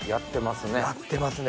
やってますね。